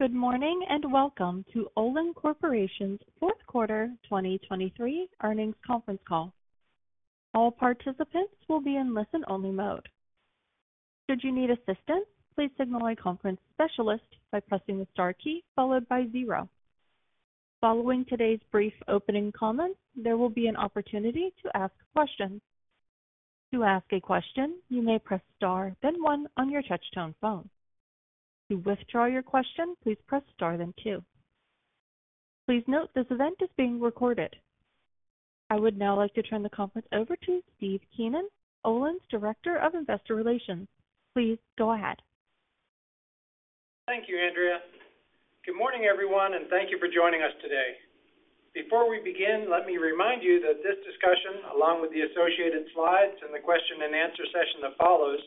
Good morning, and welcome to Olin Corporation's fourth quarter 2023 earnings conference call. All participants will be in listen-only mode. Should you need assistance, please signal a conference specialist by pressing the star key followed by zero. Following today's brief opening comments, there will be an opportunity to ask questions. To ask a question, you may press star, then one on your touchtone phone. To withdraw your question, please press star, then two. Please note, this event is being recorded. I would now like to turn the conference over to Steve Keenan, Olin's Director of Investor Relations. Please go ahead. Thank you, Andrea. Good morning, everyone, and thank you for joining us today. Before we begin, let me remind you that this discussion, along with the associated slides and the question and answer session that follows,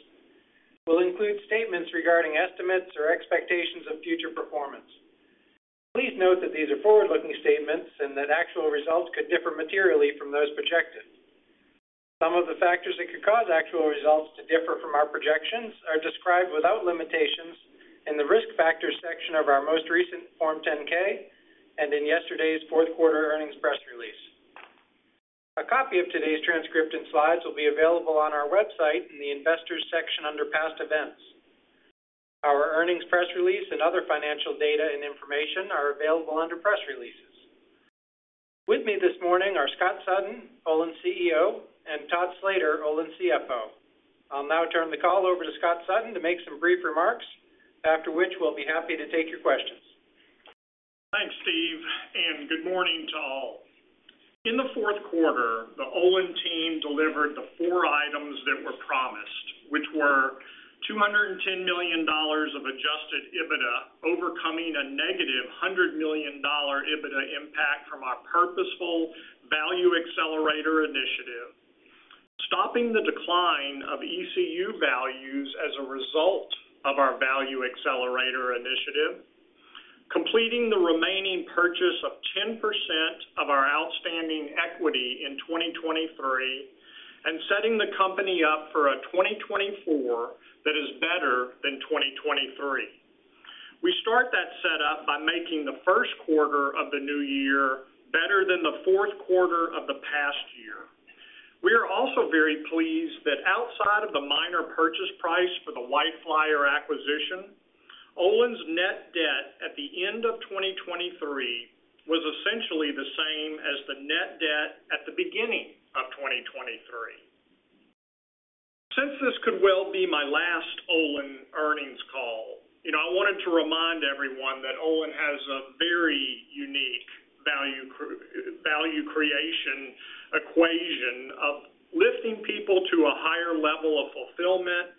will include statements regarding estimates or expectations of future performance. Please note that these are forward-looking statements and that actual results could differ materially from those projected. Some of the factors that could cause actual results to differ from our projections are described without limitations in the Risk Factors section of our most recent Form 10-K and in yesterday's fourth quarter earnings press release. A copy of today's transcript and slides will be available on our website in the Investors section under Past Events. Our earnings press release and other financial data and information are available under Press Releases. With me this morning are Scott Sutton, Olin's CEO, and Todd Slater, Olin's CFO. I'll now turn the call over to Scott Sutton to make some brief remarks, after which we'll be happy to take your questions. Thanks, Steve, and good morning to all. In the fourth quarter, the Olin team delivered the four items that were promised, which were $210 million of Adjusted EBITDA, overcoming a -$100 million EBITDA impact from our purposeful Value Accelerator Initiative, stopping the decline of ECU values as a result of our Value Accelerator Initiative, completing the remaining purchase of 10% of our outstanding equity in 2023, and setting the company up for a 2024 that is better than 2023. We start that set up by making the first quarter of the new year better than the fourth quarter of the past year. We are also very pleased that outside of the minor purchase price for the White Flyer acquisition, Olin's net debt at the end of 2023 was essentially the same as the net debt at the beginning of 2023. Since this could well be my last Olin earnings call, you know, I wanted to remind everyone that Olin has a very unique value creation equation of lifting people to a higher level of fulfillment,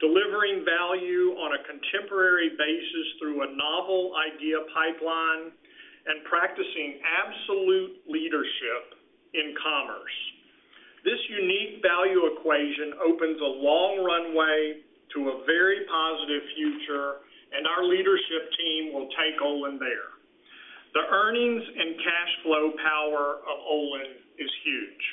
delivering value on a contemporary basis through a novel idea pipeline, and practicing absolute leadership in commerce. This unique value equation opens a long runway to a very positive future, and our leadership team will take Olin there. The earnings and cash flow power of Olin is huge.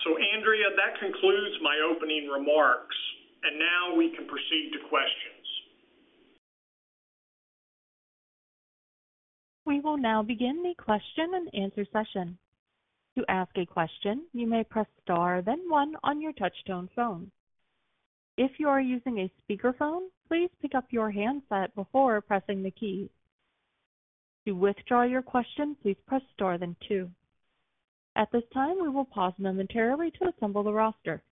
So Andrea, that concludes my opening remarks, and now we can proceed to questions. We will now begin the question and answer session. To ask a question, you may press star, then one on your touchtone phone. If you are using a speakerphone, please pick up your handset before pressing the key. To withdraw your question, please press star, then two. At this time, we will pause momentarily to assemble the roster.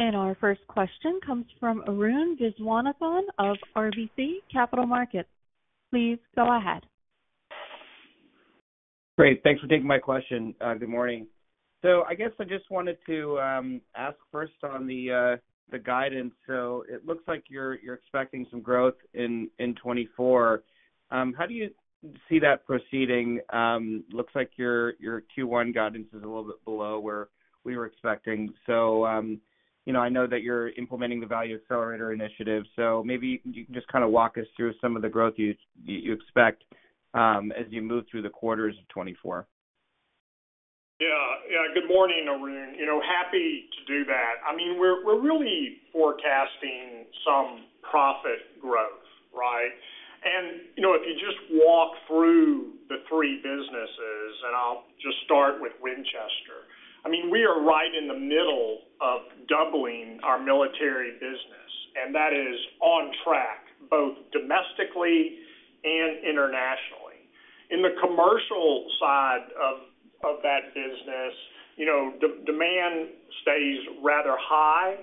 Our first question comes from Arun Viswanathan of RBC Capital Markets. Please go ahead. Great. Thanks for taking my question. Good morning. So I guess I just wanted to ask first on the guidance. So it looks like you're, you're expecting some growth in 2024. How do you see that proceeding? Looks like your Q1 guidance is a little bit below where we were expecting. So, you know, I know that you're implementing the Value Accelerator Initiative, so maybe you can just kind of walk us through some of the growth you expect as you move through the quarters of 2024. Yeah. Yeah. Good morning, Arun. You know, happy to do that. I mean, we're, we're really forecasting some profit growth, right? And, you know, if you just walk through the three businesses, and I'll just start with Winchester. I mean, we are right in the middle of doubling our military business, and that is on track, both domestically and internationally. In the commercial side of, of that business, you know, demand stays rather high,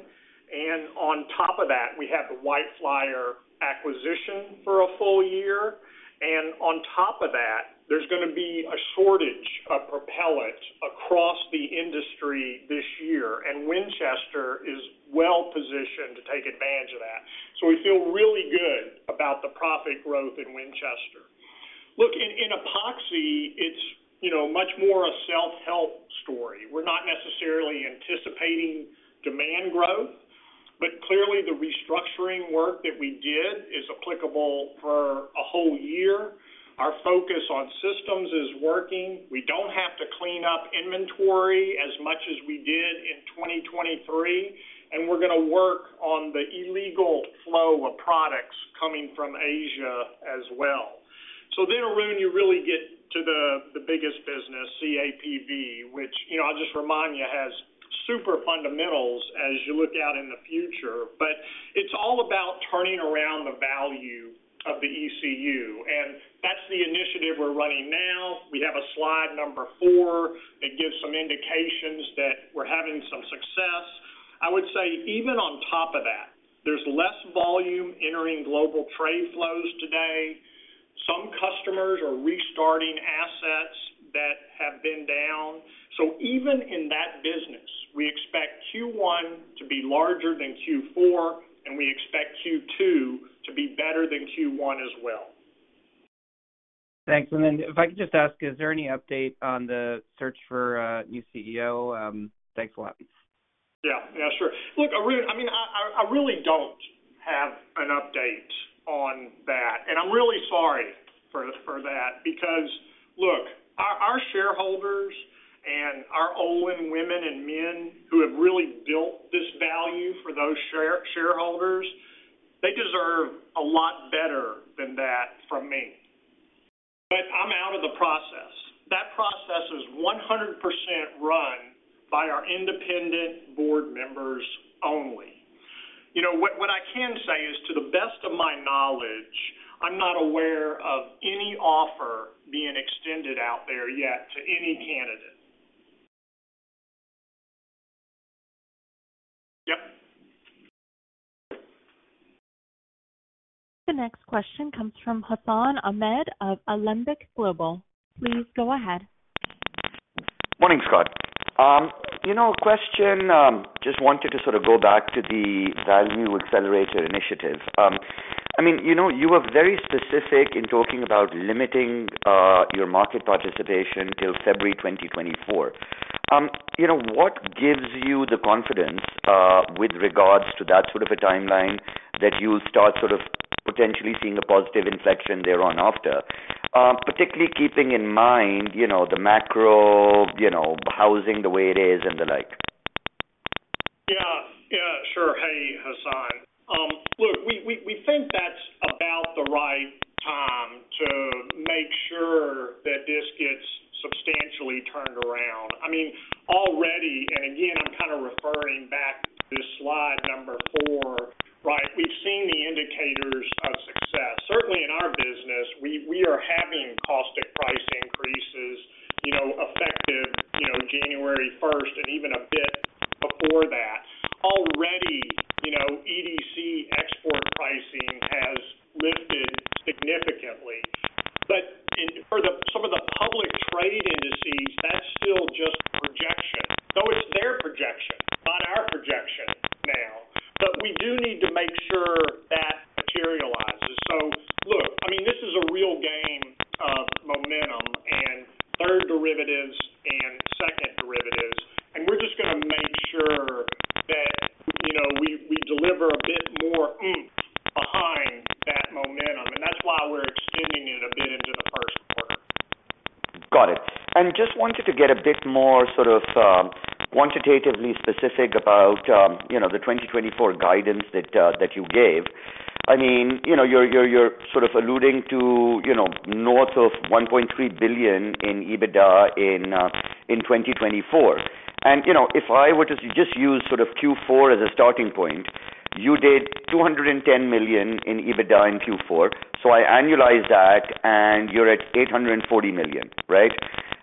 and on top of that, we have the White Flyer acquisition for a full year. And on top of that, there's gonna be a shortage of propellant across the industry this year, and Winchester is well positioned to take advantage of that. So we feel really good about the profit growth in Winchester. Look, in, in Epoxy, it's, you know, much more a self-help story. We're not necessarily anticipating demand growth.... But clearly, the restructuring work that we did is applicable for a whole year. Our focus on systems is working. We don't have to clean up inventory as much as we did in 2023, and we're gonna work on the illegal flow of products coming from Asia as well. So then, Arun, you really get to the, the biggest business, CAPV, which, you know, I'll just remind you, has super fundamentals as you look out in the future. But it's all about turning around the value of the ECU, and that's the initiative we're running now. We have a slide number four that gives some indications that we're having some success. I would say even on top of that, there's less volume entering global trade flows today. Some customers are restarting assets that have been down. So even in that business, we expect Q1 to be larger than Q4, and we expect Q2 to be better than Q1 as well. Thanks. And then if I could just ask, is there any update on the search for a new CEO? Thanks a lot. Yeah. Yeah, sure. Look, Arun, I mean, I really don't have an update on that, and I'm really sorry for that because, look, our shareholders and our Olin women and men who have really built this value for those shareholders, they deserve a lot better than that from me. But I'm out of the process. That process is 100% run by our independent board members only. You know, what I can say is, to the best of my knowledge, I'm not aware of any offer being extended out there yet to any candidate. Yep. The next question comes from Hassan Ahmed of Alembic Global. Please go ahead. Morning, Scott. You know, question, just wanted to sort of go back to the Value Accelerator Initiative. I mean, you know, you were very specific in talking about limiting your market participation till February 2024. You know, what gives you the confidence with regards to that sort of a timeline that you'll start sort of potentially seeing a positive inflection thereon after, particularly keeping in mind, you know, the macro, you know, housing the way it is and the like? Yeah. Yeah, sure. Hey, Hassan. Look, we think that's about the right time to make sure that this gets substantially turned around. I mean,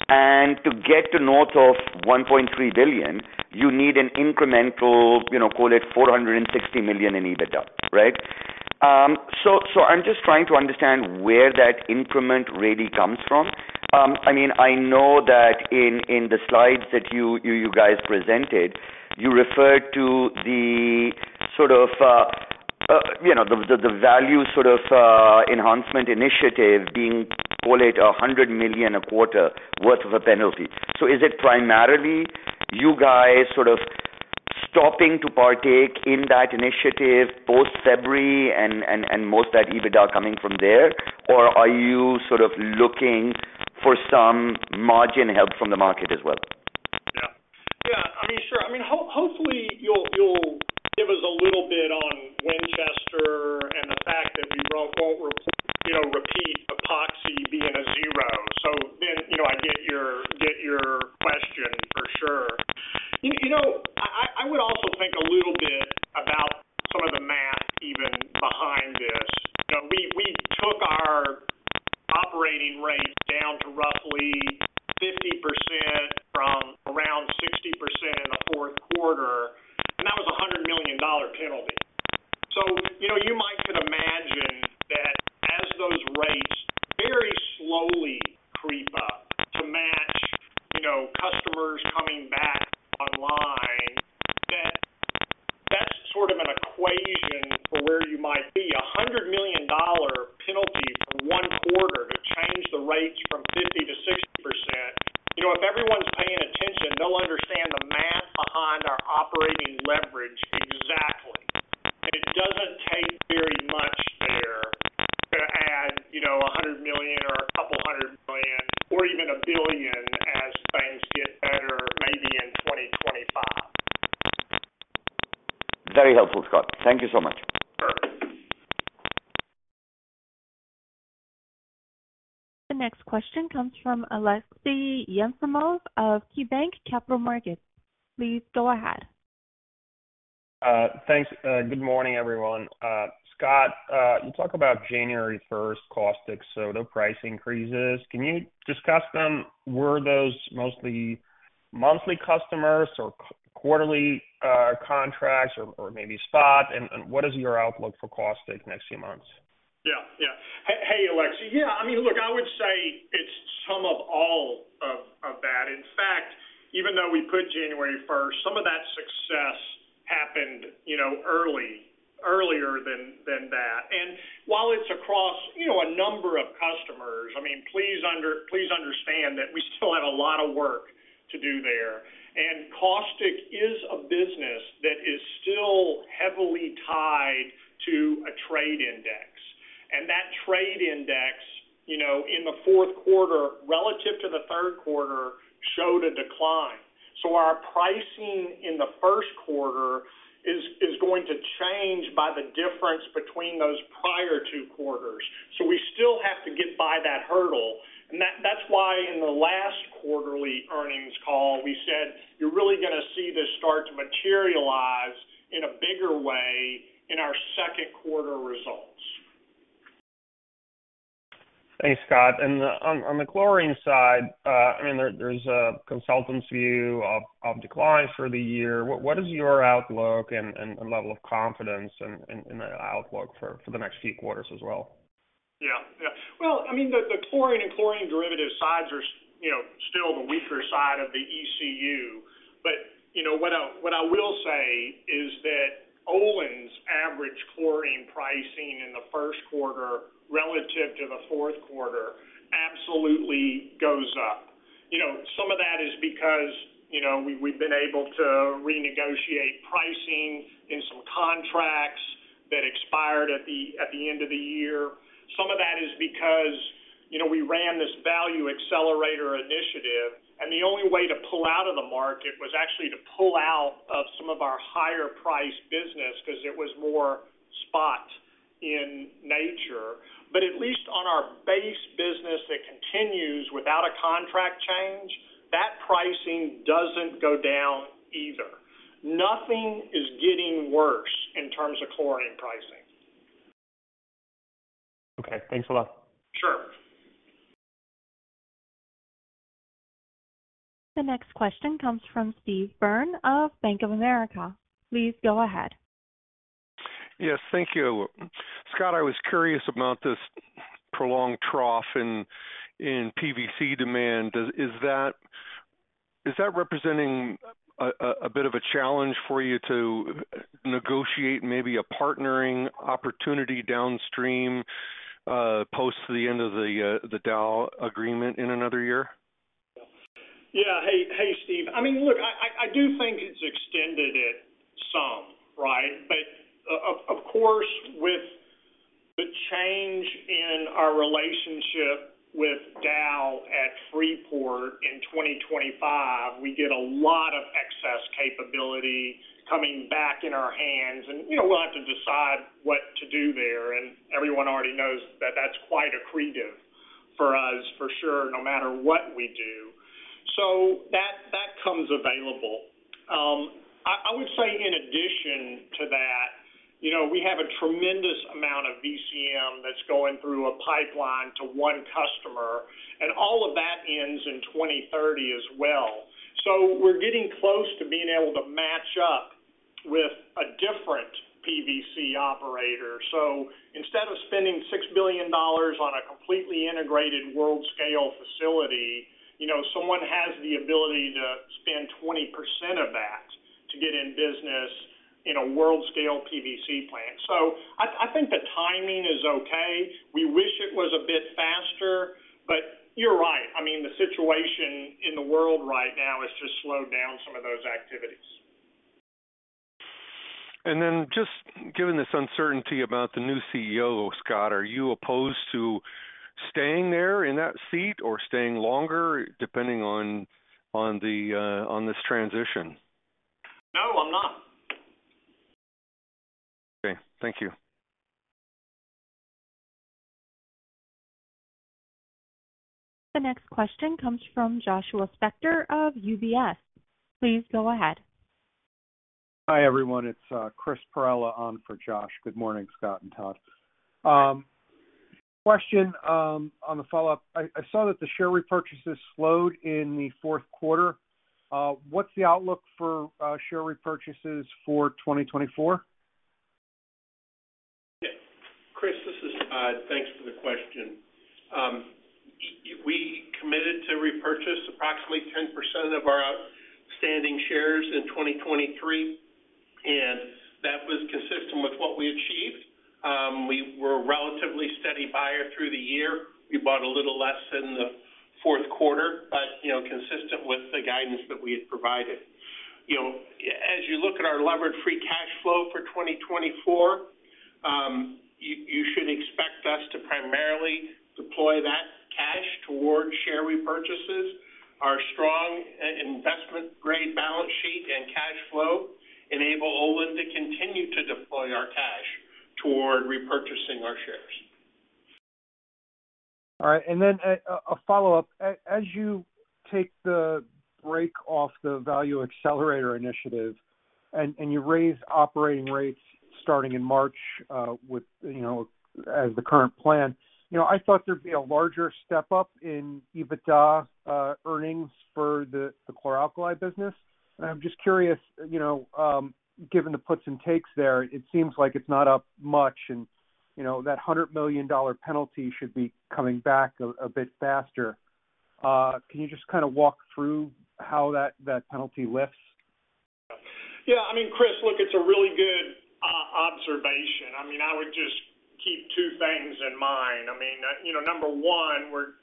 And to get to north of $1.3 billion, you need an incremental, you know, call it $460 million in EBITDA, right? So, so I'm just trying to understand where that increment really comes from. I mean, I know that in the slides that you guys presented, you referred to the sort of, you know, the value sort of enhancement initiative being $100 million a quarter worth of a penalty. So is it primarily you guys sort of stopping to partake in that initiative post-February and most of that EBITDA coming from there, or are you sort of looking for some margin help from the market as well? Yeah. Yeah, I mean, sure. I mean, hopefully, you'll give us a little bit on Winchester and the fact that you probably won't report, you know, repeat Epoxy being a zero. So then, you know, I get your question for sure. You know, I would also think a little bit about some of the math even behind this. You know, we took our operating rates down to roughly 50% from around 60% in the fourth quarter, comes from Aleksey Yefremov of KeyBanc Capital Markets. Please go ahead. Thanks. Good morning, everyone. Scott, you talk about January first caustic soda price increases. Can you discuss them? Were those mostly monthly customers or quarterly contracts or maybe spot? And, what is your outlook for caustic next few months? Yeah, yeah. Hey, Aleksey. Yeah, I mean, look, I would say it's some of all of that. In fact, even though we put January first, some of that success happened, you know, early, earlier than that. And while it's across, you know, a number of customers, I mean, please understand that we still have a lot of work to do there. And caustic is a business that is still heavily tied to a trade index, and that trade index, you know, in the fourth quarter relative to the third quarter, showed a decline. So our pricing in the first quarter is going to change by the difference between those prior two quarters. So we still have to get by that hurdle, and that- that's why in the last quarterly earnings call, we said, "You're really going to see this start to materialize in a bigger way in our second quarter results. Thanks, Scott. And on the chlorine side, I mean, there's a consultant's view of declines for the year. What is your outlook and level of confidence in the outlook for the next few quarters as well? Yeah. Yeah. Well, I mean, the chlorine and chlorine derivative sides are, you know, still the weaker side of the ECU. But, you know, what I will say is that Olin's average chlorine pricing in the first quarter relative to the fourth quarter absolutely goes up. You know, some of that is because, you know, we've been able to renegotiate pricing in some contracts that expired at the end of the year. Some of that is because, you know, we ran this Value Accelerator Initiative, and the only way to pull out of the market was actually to pull out of some of our higher priced business because it was more spot in nature. But at least on our base business that continues without a contract change, that pricing doesn't go down either. Nothing is getting worse in terms of chlorine pricing. Okay, thanks a lot. Sure. The next question comes from Steve Byrne of Bank of America. Please go ahead. Yes, thank you. Scott, I was curious about this prolonged trough in PVC demand. Is that representing a bit of a challenge for you to negotiate maybe a partnering opportunity downstream, post the end of the Dow agreement in another year? Yeah. Hey, hey, Steve. I mean, look, I do think it's extended it some, right? But of course, with the change in our relationship with Dow at Freeport in 2025, we get a lot of excess capability coming back in our hands, and, you know, we'll have to decide what to do there, and everyone already knows that that's quite accretive for us, for sure, no matter what we do. So that comes available. I would say in addition to that, you know, we have a tremendous amount of VCM that's going through a pipeline to one customer, and all of that ends in 2030 as well. So we're getting close to being able to match up with a different PVC operator. So instead of spending $6 billion on a completely integrated world-scale facility, you know, someone has the ability to spend 20% of that to get in business in a world-scale PVC plant. So I think the timing is okay. We wish it was a bit faster, but you're right. I mean, the situation in the world right now has just slowed down some of those activities. Then just given this uncertainty about the new CEO, Scott, are you opposed to staying there in that seat or staying longer, depending on this transition? No, I'm not. Okay, thank you. The next question comes from Joshua Spector of UBS. Please go ahead. Hi, everyone. It's Chris Perrella on for Josh. Good morning, Scott and Todd. Question on the follow-up. I saw that the share repurchases slowed in the fourth quarter. What's the outlook for share repurchases for 2024? Yeah. Chris, this is Todd. Thanks for the question. We committed to repurchase approximately 10% of our outstanding shares in 2023, and that was consistent with what we achieved. We were a relatively steady buyer through the year. We bought a little less in the fourth quarter, but, you know, consistent with the guidance that we had provided. You know, as you look at our Levered Free Cash Flow for 2024, you should expect us to primarily deploy that cash toward share repurchases. Our strong investment-grade balance sheet and cash flow enable Olin to continue to deploy our cash toward repurchasing our shares. All right, and then a follow-up. As you take the break off the Value Accelerator Initiative and you raise operating rates starting in March, with, you know, as the current plan, you know, I thought there'd be a larger step up in EBITDA earnings for Chlor-Alkali business. I'm just curious, you know, given the puts and takes there, it seems like it's not up much, and, you know, that $100 million penalty should be coming back a bit faster. Can you just kind of walk through how that penalty lifts? Yeah, I mean, Chris, look, it's a really good observation. I mean, I would just keep two things in mind. I mean, you know, number one, we're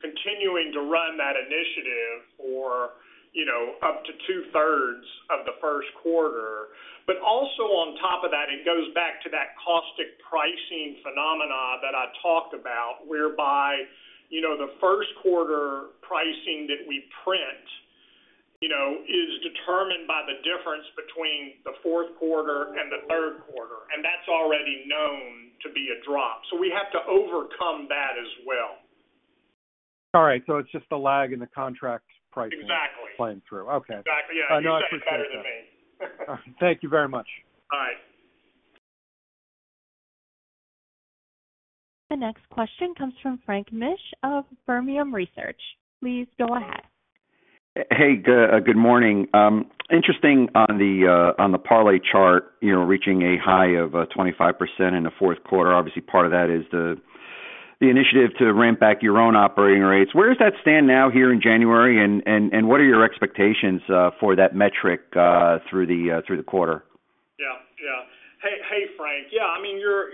continuing to run that initiative for, you know, up to 2/3 of the first quarter. But also on top of that, it goes back to that caustic pricing phenomena that I talked about, whereby, you know, the first quarter pricing that we print, you know, is determined by the difference between the fourth quarter and the third quarter, and that's already known to be a drop. So we have to overcome that as well. All right, so it's just a lag in the contract pricing- Exactly. Playing through. Okay. Exactly. Yeah. I know. I appreciate that. You said it better than me. Thank you very much. Bye. The next question comes from Frank Mitsch of Fermium Research. Please go ahead. Hey, good, good morning. Interesting on the Parlay chart, you know, reaching a high of 25% in the fourth quarter. Obviously, part of that is the initiative to ramp back your own operating rates. Where does that stand now here in January, and what are your expectations for that metric through the quarter? Yeah. Yeah. Hey, hey, Frank. Yeah, I mean, you're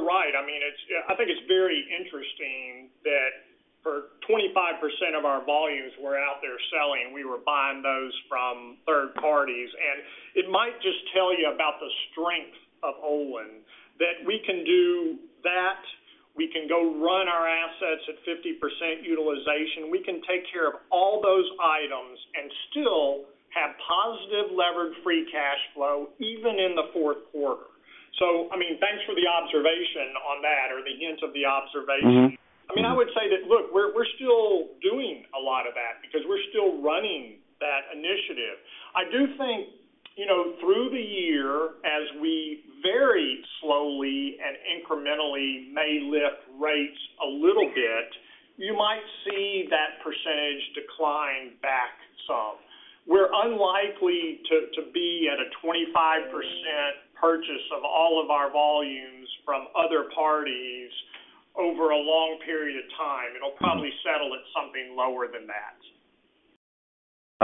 right. I mean, it's very interesting that for 25% of our volumes were out there selling, we were buying those from third parties. And it might just tell you about the strength of Olin, that we can do that, we can go run our assets at 50% utilization, we can take care of all those items and still have positive Levered Free Cash Flow even in the fourth quarter. So I mean, thanks for the observation on that or the hints of the observation. Mm-hmm. I mean, I would say that, look, we're, we're still doing a lot of that because we're still running that initiative. I do think, you know, through the year, as we very slowly and incrementally may lift rates a little bit, you might see that percentage decline back some. We're unlikely to, to be at a 25% purchase of all of our volumes from other parties over a long period of time. It'll probably settle at something lower than that.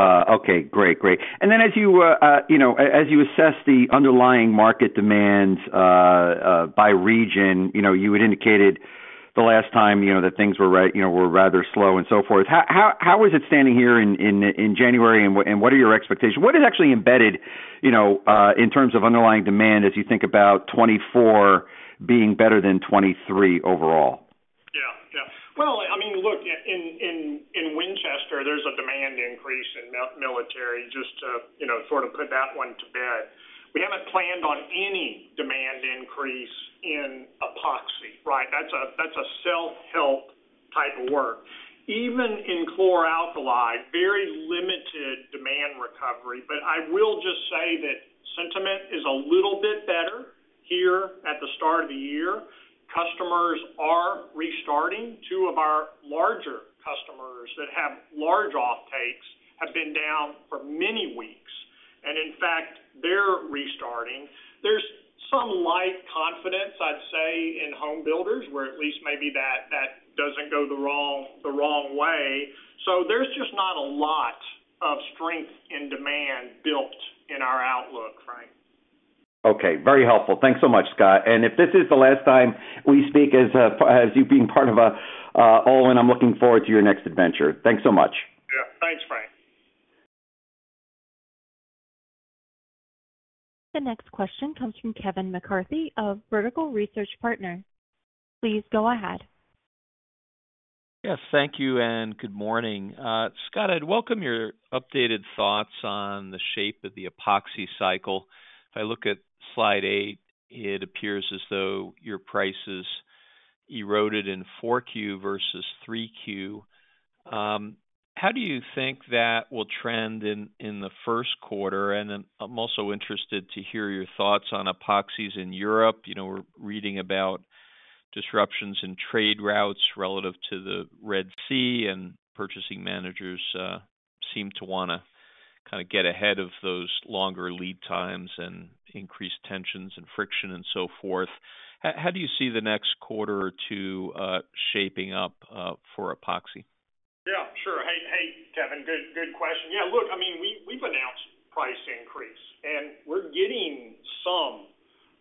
Okay, great. Great. And then as you, you know, as you assess the underlying market demands by region, you know, you had indicated the last time, you know, that things were right, you know, were rather slow and so forth. How is it standing here in January, and what are your expectations? What is actually embedded, you know, in terms of underlying demand as you think about 2024 being better than 2023 overall? Yeah. Yeah. Well, I mean, look, in Winchester, there's a demand increase in military just to, you know, sort of put that one to bed. We haven't planned on any demand increase in Epoxy, right? That's a self-help type of work. Even Chlor-Alkali, very limited demand recovery, but I will just say that sentiment is a little bit better here at the start of the year. Customers are restarting. Two of our larger customers that have large offtakes have been down for many weeks, and in fact, they're restarting. There's some light confidence, I'd say, in home builders, where at least maybe that doesn't go the wrong way. So there's just not a lot of strength in demand built in our outlook, Frank. Okay, very helpful. Thanks so much, Scott. And if this is the last time we speak as you being part of Olin, I'm looking forward to your next adventure. Thanks so much. Yeah. Thanks, Frank. The next question comes from Kevin McCarthy of Vertical Research Partners. Please go ahead. Yes, thank you, and good morning. Scott, I'd welcome your updated thoughts on the shape of the epoxy cycle. If I look at slide eight, it appears as though your prices eroded in 4Q versus 3Q. How do you think that will trend in, in the first quarter? And then I'm also interested to hear your thoughts on epoxies in Europe. You know, we're reading about disruptions in trade routes relative to the Red Sea, and purchasing managers seem to want to kind of get ahead of those longer lead times and increased tensions and friction and so forth. How do you see the next quarter or two shaping up for epoxy? Yeah, sure. Hey, Kevin. Good question. Yeah, look, I mean, we, we've announced price increase, and we're getting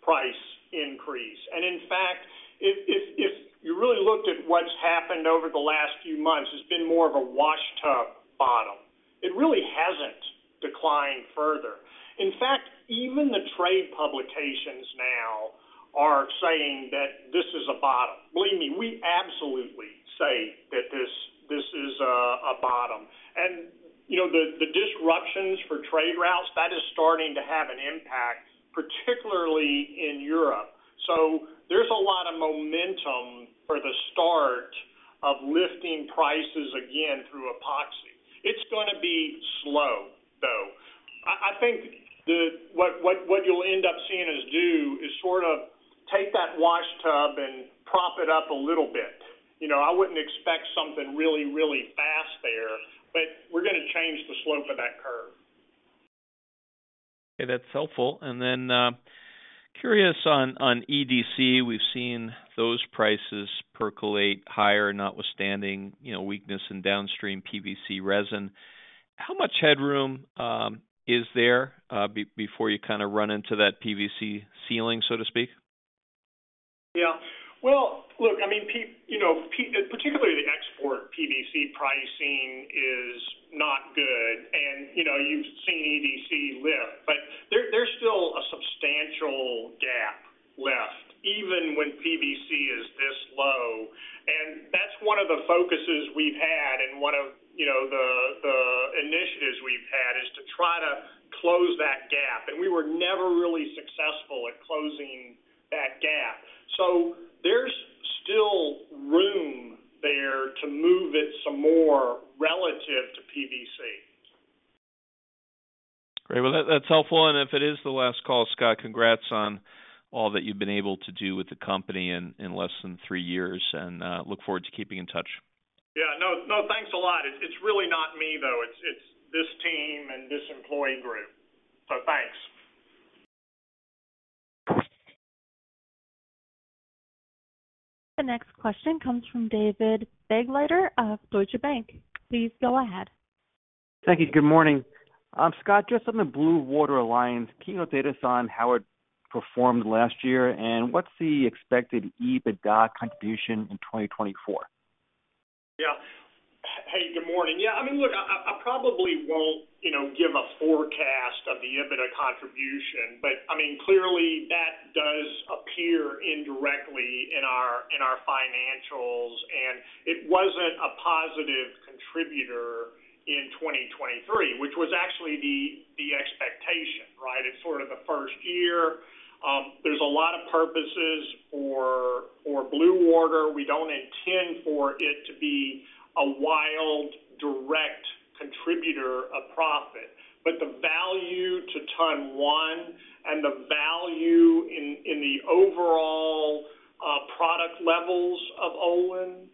price increase. And in fact, if you really looked at what's happened over the last few months, it's been more of a bathtub bottom. It really hasn't declined further. In fact, even the trade publications now are saying that this is a bottom. Believe me, we absolutely say that this is a bottom. And, you know, the disruptions for trade routes, that is starting to have an impact, particularly in Europe. So there's a lot of momentum for the start of lifting prices again through Epoxy. It's gonna be slow, though. I think what you'll end up seeing us do is sort of take that bathtub and prop it up a little bit. You know, I wouldn't expect something really, really fast there, but we're gonna change the slope of that curve. Okay, that's helpful. And then, curious on EDC, we've seen those prices percolate higher, notwithstanding, you know, weakness in downstream PVC resin. How much headroom is there before you kind of run into that PVC ceiling, so to speak? Yeah. Well, look, I mean, particularly the export PVC pricing is not good, and, you know, you've seen EDC lift, but there, there's still a substantial gap left, even when PVC is this low. And that's one of the focuses we've had and one of, you know, the initiatives we've had, is to try to close that gap, and we were never really successful at closing that gap. So there's still room there to move it some more relative to PVC. Great. Well, that, that's helpful. And if it is the last call, Scott, congrats on all that you've been able to do with the company in less than three years, and look forward to keeping in touch. Yeah, no, thanks a lot. It's really not me, though. It's this team and this employee group. So thanks. The next question comes from David Begleiter of Deutsche Bank. Please go ahead. Thank you. Good morning. Scott, just on the Blue Water Alliance, can you update us on how it performed last year, and what's the expected EBITDA contribution in 2024? Yeah. Hey, good morning. Yeah, I mean, look, I, I probably won't, you know, give a forecast of the EBITDA contribution, but I mean, clearly, that does appear indirectly in our, in our financials, and it wasn't a positive contributor in 2023, which was actually the, the expectation, right? It's sort of the first year. There's a lot of purposes for Blue Water. We don't intend for it to be a wild, direct contributor of profit. But the value to ton one and the value in the overall product levels of Olin,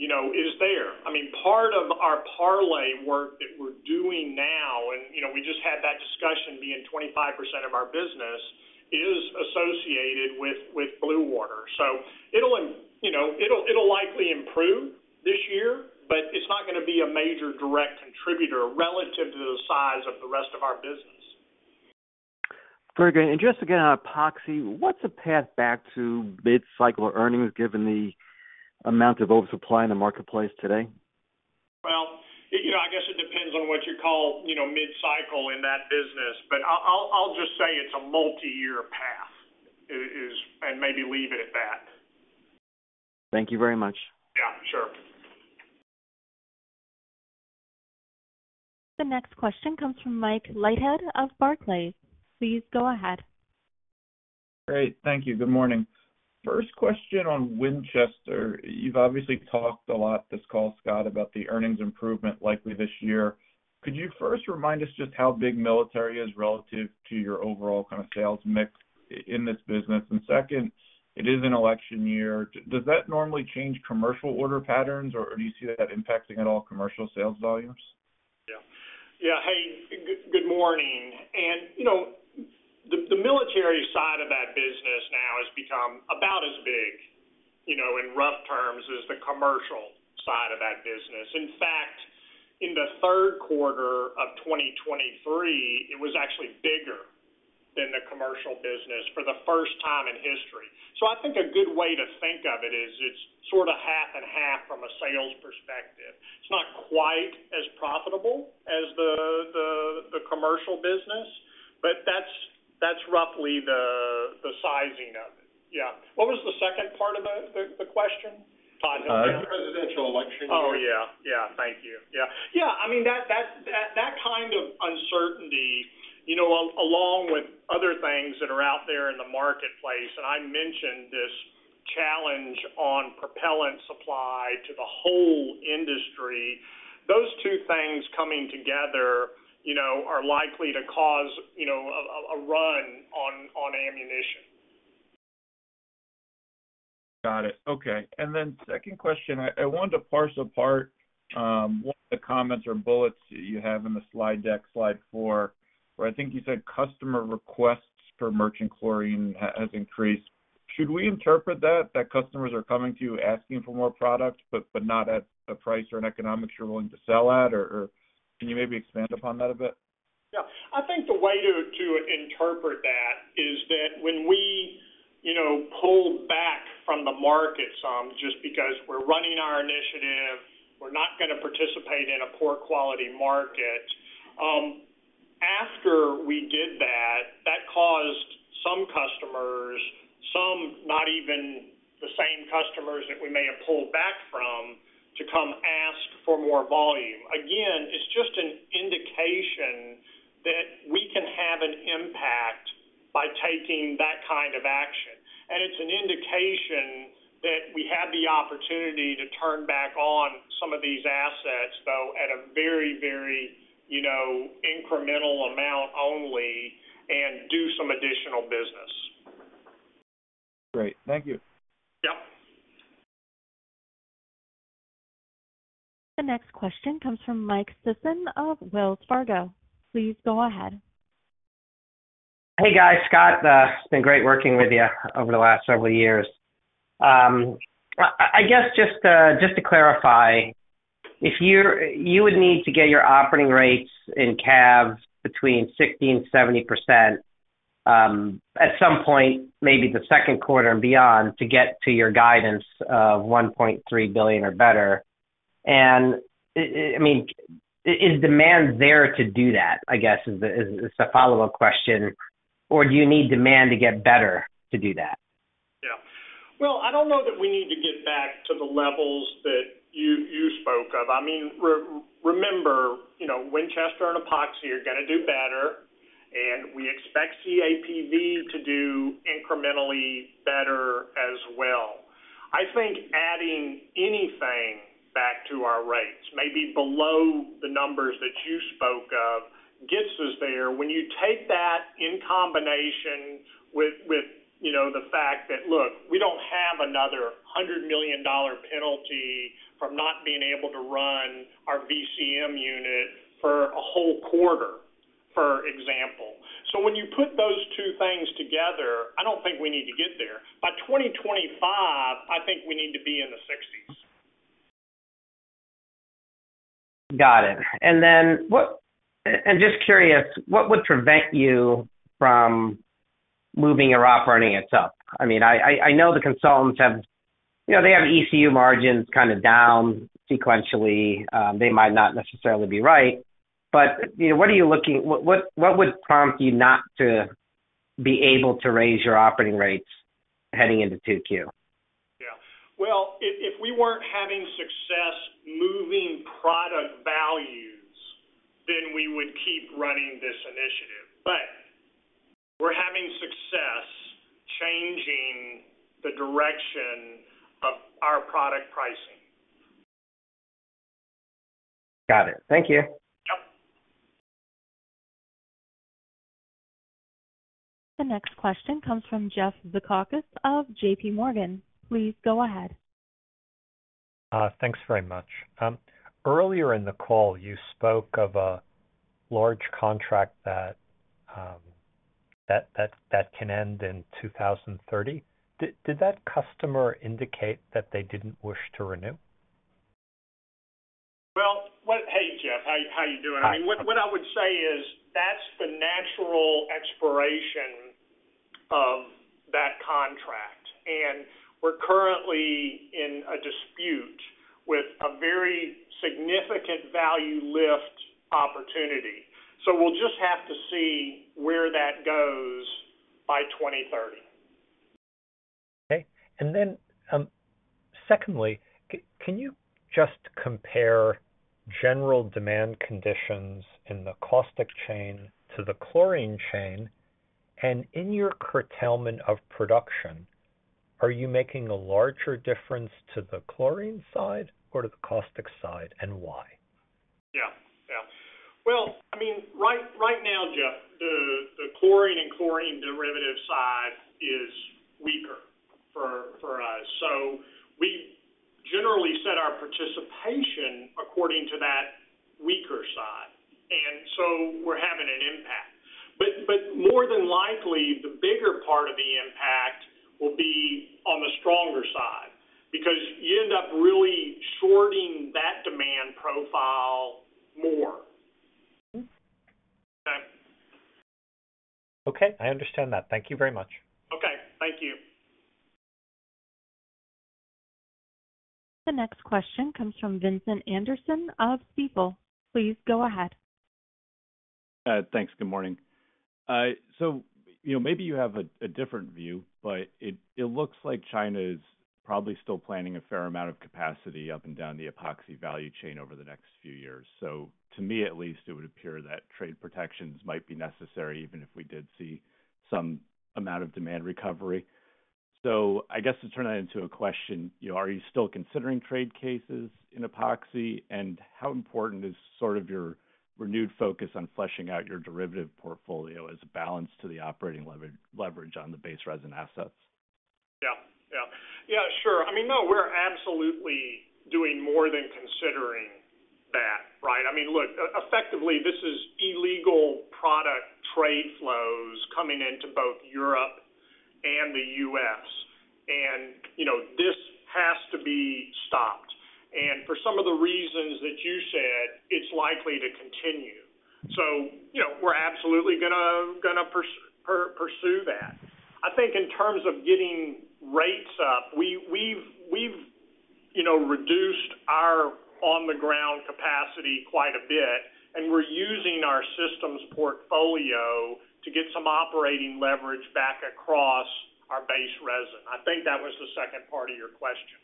you know, is there. I mean, part of our Parlay work that we're doing now, and, you know, we just had that discussion being 25% of our business, is associated with Blue Water. So, you know, it'll likely improve this year, but it's not gonna be a major direct contributor relative to the size of the rest of our business. Very good. Just again, on Epoxy, what's the path back to mid-cycle earnings, given the amount of oversupply in the marketplace today? Well, you know, I guess it depends on what you call, you know, mid-cycle in that business, but I'll just say it's a multiyear path, and maybe leave it at that. Thank you very much. Yeah, sure. The next question comes from Mike Leithead of Barclays. Please go ahead. Great. Thank you. Good morning. First question on Winchester. You've obviously talked a lot this call, Scott, about the earnings improvement likely this year. Could you first remind us just how big military is relative to your overall kind of sales mix in this business? And second, it is an election year. Does that normally change commercial order patterns, or do you see that impacting at all commercial sales volumes? Yeah. Yeah. Hey, good morning. And you know, the military side of that business now has become about as big, you know, in rough terms, as the commercial side of that business. In fact, in the third quarter of 2023, it was actually bigger than the commercial business for the first time in history. So I think a good way to think of it is, it's sort of half and half from a sales perspective. It's not quite as profitable as the commercial business, but that's roughly the sizing of it. Yeah. What was the second part of the question? The presidential election. Oh, yeah. Yeah, thank you. Yeah. Yeah, I mean, that kind of uncertainty, you know, along with other things that are out there in the marketplace, and I mentioned this challenge on propellant supply to the whole industry, those two things coming together, you know, are likely to cause, you know, a run on ammunition. Got it. Okay. And then second question, I wanted to parse apart one of the comments or bullets you have in the slide deck, slide four, where I think you said customer requests for merchant chlorine has increased. Should we interpret that customers are coming to you asking for more product, but not at a price or an economics you're willing to sell at? Or can you maybe expand upon that a bit? Yeah, I think the way to interpret that is that when we, you know, pulled back from the market some, just because we're running our initiative, we're not gonna participate in a poor quality market. After we did that, that caused some customers, some not even the same customers that we may have pulled back from, to come ask for more volume. Again, it's just an indication that we can have an impact by taking that kind of action. And it's an indication that we have the opportunity to turn back on some of these assets, though, at a very, very, you know, incremental amount only and do some additional business. Great. Thank you. Yep. The next question comes from Mike Sison of Wells Fargo. Please go ahead. Hey, guys. Scott, it's been great working with you over the last several years. I guess just to clarify, if you're—you would need to get your operating rates in CAPV between 60%-70%, at some point, maybe the second quarter and beyond, to get to your guidance of $1.3 billion or better. I mean, is demand there to do that? I guess, is the follow-up question, or do you need demand to get better to do that? Yeah. Well, I don't know that we need to get back to the levels that you spoke of. I mean, remember, you know, Winchester and Epoxy are gonna do better, and we expect CAPV to do incrementally better as well. I think adding anything back to our rates, maybe below the numbers that you spoke of, gets us there. When you take that in combination with, you know, the fact that, look, we don't have another $100 million penalty from not being able to run our VCM unit for a whole quarter, for example. So when you put those two things together, I don't think we need to get there. By 2025, I think we need to be in the 60s. Got it. And then what— And just curious, what would prevent you from moving your operating itself? I mean, I know the consultants have... You know, they have ECU margins kinda down sequentially. They might not necessarily be right, but, you know, what are you looking— What would prompt you not to be able to raise your operating rates heading into 2Q? Yeah. Well, if we weren't having success moving product values, then we would keep running this initiative. But we're having success changing the direction of our product pricing. Got it. Thank you. Yep. The next question comes from Jeff Zekauskas of JPMorgan. Please go ahead. Thanks very much. Earlier in the call, you spoke of a large contract that can end in 2030. Did that customer indicate that they didn't wish to renew? Well, well, hey, Jeff. How you, how you doing? Hi. I mean, what, what I would say is that's the natural expiration of that contract, and we're currently in a dispute with a very significant value lift opportunity. So we'll just have to see where that goes by 2030. Okay. And then, secondly, can you just compare general demand conditions in the caustic chain to the chlorine chain? And in your curtailment of production, are you making a larger difference to the chlorine side or to the caustic side, and why? Yeah, yeah. Well, I mean, right, right now, Jeff, the chlorine and chlorine derivative side is weaker for us. So we generally set our participation according to that weaker side, and so we're having an impact. But more than likely, the bigger part of the impact will be on the stronger side, because you end up really shorting that demand profile more. Okay? Okay, I understand that. Thank you very much. Okay, thank you. The next question comes from Vincent Anderson of Stifel. Please go ahead. Thanks. Good morning. So, you know, maybe you have a different view, but it looks like China is probably still planning a fair amount of capacity up and down the Epoxy value chain over the next few years. So to me, at least, it would appear that trade protections might be necessary even if we did see some amount of demand recovery. So I guess to turn that into a question, you know, are you still considering trade cases in Epoxy? And how important is sort of your renewed focus on fleshing out your derivative portfolio as a balance to the operating leverage on the base resin assets? Yeah, yeah. Yeah, sure. I mean, no, we're absolutely doing more than considering. I mean, look, effectively, this is illegal product trade flows coming into both Europe and the U.S., and, you know, this has to be stopped. And for some of the reasons that you said, it's likely to continue. So, you know, we're absolutely gonna pursue that. I think in terms of getting rates up, we've, you know, reduced our on-the-ground capacity quite a bit, and we're using our systems portfolio to get some operating leverage back across our base resin. I think that was the second part of your question.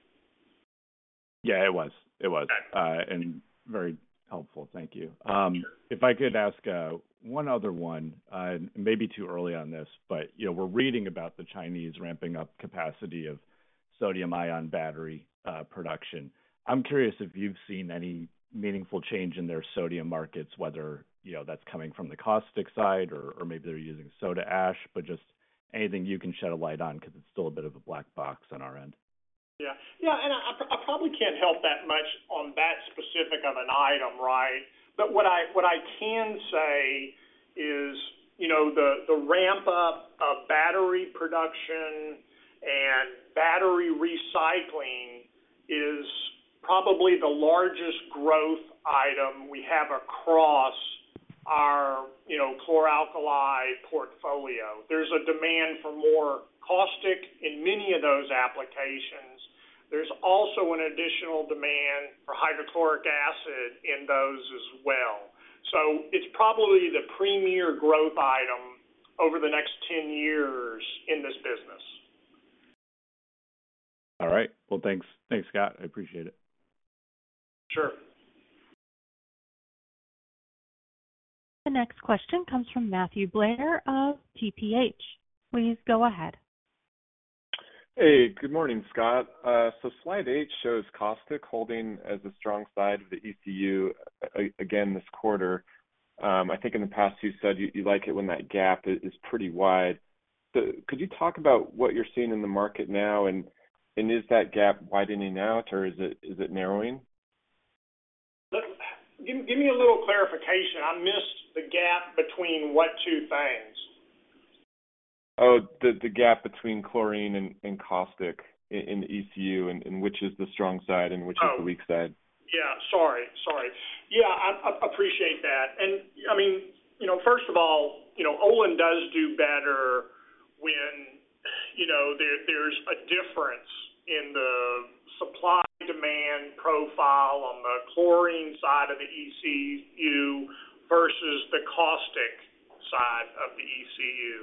Yeah, it was. It was. Okay. Very helpful. Thank you. Sure. If I could ask one other one, maybe too early on this, but, you know, we're reading about the Chinese ramping up capacity of sodium-ion battery production. I'm curious if you've seen any meaningful change in their sodium markets, whether, you know, that's coming from the caustic side or, or maybe they're using soda ash, but just anything you can shed a light on because it's still a bit of a black box on our end. Yeah. Yeah, and I, I probably can't help that much on that specific of an item, right? But what I, what I can say is, you know, the, the ramp up of battery production and battery recycling is probably the largest growth item we have across our, you Chlor-Alkali portfolio. There's a demand for more caustic in many of those applications. There's also an additional demand for hydrochloric acid in those as well. So it's probably the premier growth item over the next 10 years in this business. All right. Well, thanks. Thanks, Scott. I appreciate it. Sure. The next question comes from Matthew Blair of TPH. Please go ahead. Hey, good morning, Scott. So slide eight shows caustic holding as a strong side of the ECU again this quarter. I think in the past, you said you like it when that gap is pretty wide. So could you talk about what you're seeing in the market now, and is that gap widening out, or is it narrowing? Look, give, give me a little clarification. I missed the gap between what two things? Oh, the gap between chlorine and caustic in the ECU, and which is the strong side and which is the weak side. Oh! Yeah, sorry. Sorry. Yeah, I appreciate that. And, I mean, you know, first of all, you know, Olin does do better when, you know, there's a difference in the supply-demand profile on the chlorine side of the ECU versus the caustic side of the ECU.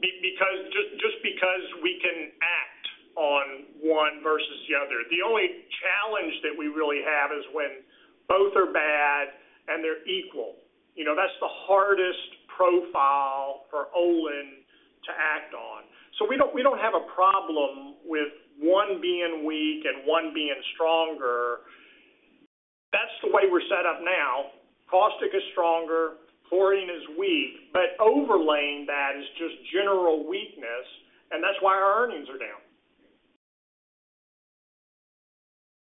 Because just because we can act on one versus the other. The only challenge that we really have is when both are bad and they're equal. You know, that's the hardest profile for Olin to act on. So we don't have a problem with one being weak and one being stronger. That's the way we're set up now. Caustic is stronger, chlorine is weak, but overlaying that is just general weakness, and that's why our earnings are down.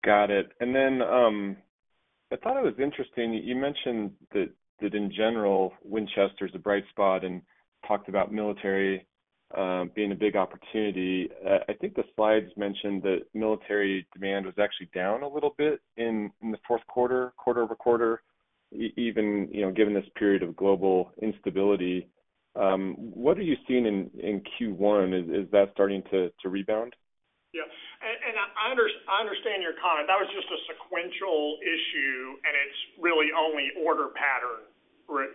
Got it. And then, I thought it was interesting, you mentioned that in general, Winchester is a bright spot and talked about military being a big opportunity. I think the slides mentioned that military demand was actually down a little bit in the fourth quarter, quarter-over-quarter, even, you know, given this period of global instability. What are you seeing in Q1? Is that starting to rebound? Yeah. And I understand your comment. That was just a sequential issue, and it's really only order pattern,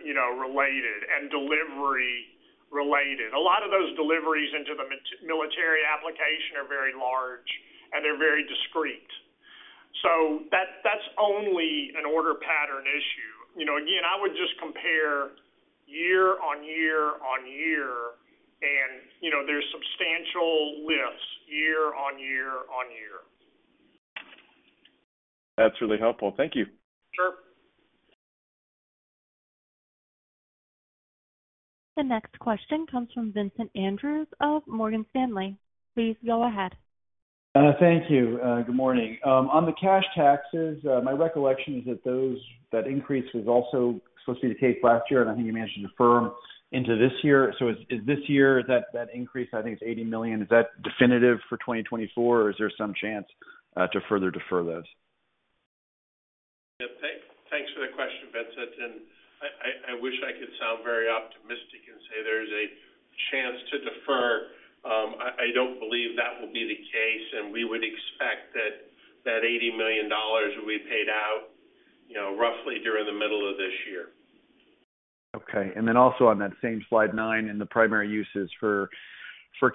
you know, related and delivery related. A lot of those deliveries into the military application are very large, and they're very discrete. So that's only an order pattern issue. You know, again, I would just compare year-on-year-on-year, and, you know, there's substantial lifts year-on-year-on-year. That's really helpful. Thank you. Sure. The next question comes from Vincent Andrews of Morgan Stanley. Please go ahead. Thank you. Good morning. On the cash taxes, my recollection is that those, that increase was also supposed to be the case last year, and I think you managed to defer into this year. So is, is this year, that, that increase, I think it's $80 million, is that definitive for 2024, or is there some chance to further defer those? Yeah. Thanks for the question, Vincent, and I wish I could sound very optimistic and say there's a chance to defer. I don't believe that will be the case, and we would expect that that $80 million will be paid out, you know, roughly during the middle of this year. Okay. And then also on that same slide nine, in the primary uses for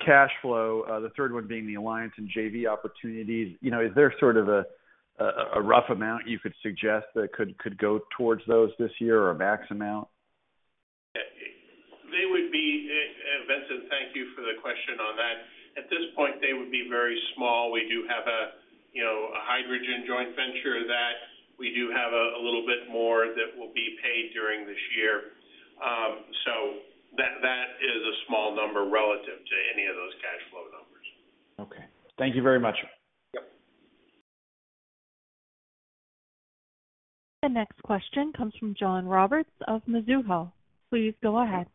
cash flow, the third one being the alliance and JV opportunities, you know, is there sort of a rough amount you could suggest that could go towards those this year or a max amount? They would be... Vincent, thank you for the question on that. At this point, they would be very small. We do have, you know, a hydrogen joint venture that we do have a little bit more that will be paid during this year. So that is a small number relative.... Thank you very much. Yep. The next question comes from John Roberts of Mizuho. Please go ahead.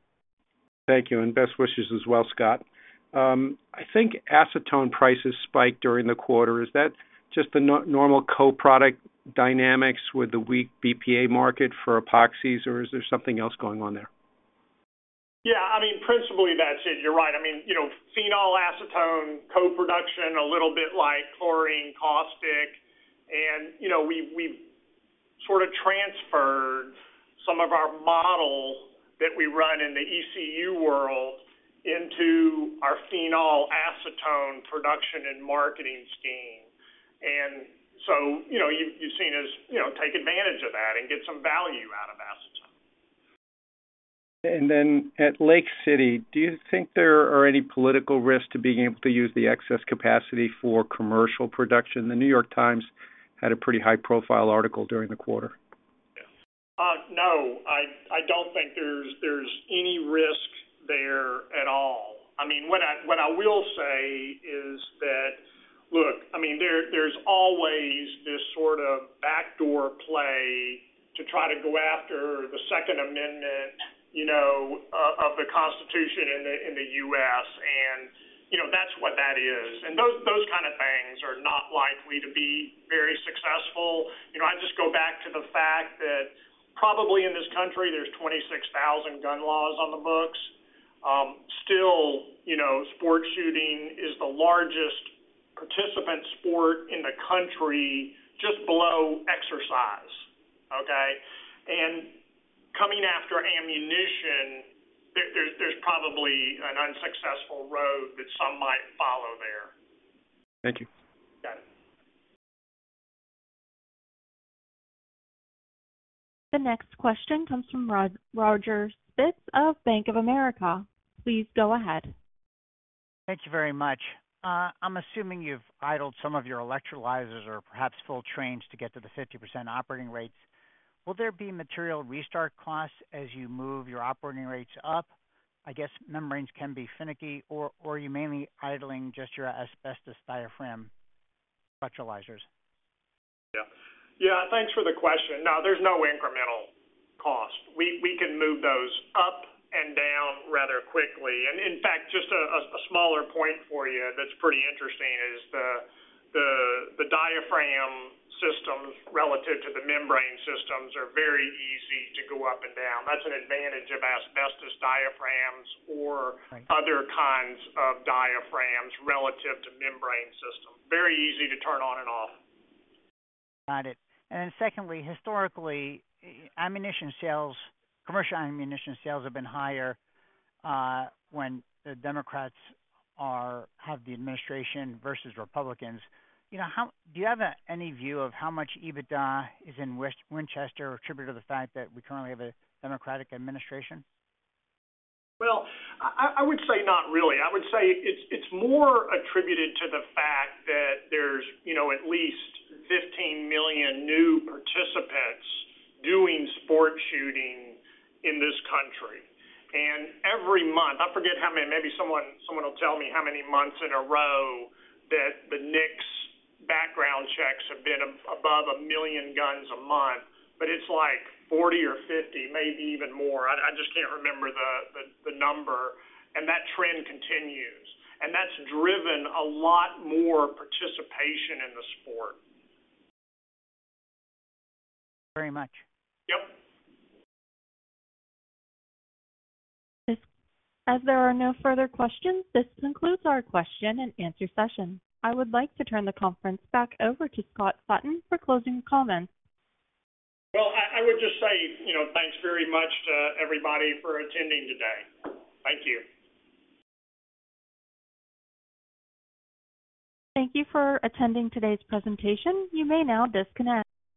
Thank you, and best wishes as well, Scott. I think acetone prices spiked during the quarter. Is that just the normal co-product dynamics with the weak BPA market for epoxies, or is there something else going on there? Yeah, I mean, principally that's it. You're right. I mean, you know, phenol acetone, co-production, a little bit like chlorine, caustic, and, you know, we, we've sort of transferred some of our model that we run in the ECU world into our phenol acetone production and marketing scheme. And so, you know, you, you've seen us, you know, take advantage of that and get some value out of acetone. And then at Lake City, do you think there are any political risks to being able to use the excess capacity for commercial production? The New York Times had a pretty high-profile article during the quarter. No, I don't think there's any risk there at all. I mean, what I will say is that, look, I mean, there's always this sort of backdoor play to try to go after the Second Amendment, you know, of the Constitution in the U.S., and, you know, that's what that is. And those kind of things are not likely to be very successful. You know, I just go back to the fact that probably in this country, there's 26,000 gun laws on the books. Still, you know, sport shooting is the largest participant sport in the country, just below exercise, okay? And coming after ammunition, there's probably an unsuccessful road that some might follow there. Thank you. Got it. The next question comes from Roger Spitz of Bank of America. Please go ahead. Thank you very much. I'm assuming you've idled some of your electrolyzers or perhaps full trains to get to the 50% operating rates. Will there be material restart costs as you move your operating rates up? I guess membranes can be finicky, or you're mainly idling just your asbestos diaphragm electrolyzers. Yeah. Yeah, thanks for the question. No, there's no incremental cost. We can move those up and down rather quickly. And in fact, just a smaller point for you that's pretty interesting is the diaphragm systems relative to the membrane systems are very easy to go up and down. That's an advantage of asbestos diaphragms or- Thank you. Other kinds of diaphragms relative to membrane systems. Very easy to turn on and off. Got it. And then secondly, historically, ammunition sales, commercial ammunition sales have been higher when the Democrats have the administration versus Republicans. You know, do you have any view of how much EBITDA is in Winchester attributed to the fact that we currently have a Democratic administration? Well, I would say not really. I would say it's more attributed to the fact that there's, you know, at least 15 million new participants doing sport shooting in this country. And every month, I forget how many, maybe someone will tell me how many months in a row that the NICS background checks have been above 1 million guns a month, but it's like 40 or 50, maybe even more. I just can't remember the number, and that trend continues, and that's driven a lot more participation in the sport. Very much. Yep. As there are no further questions, this concludes our question and answer session. I would like to turn the conference back over to Scott Sutton for closing comments. Well, I would just say, you know, thanks very much to everybody for attending today. Thank you. Thank you for attending today's presentation. You may now disconnect.